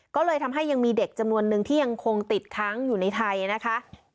ก็เลยทำให้ยังมีเด็กจำนวนนึงที่ยังคงติดค้างอยู่ในไทยนะคะ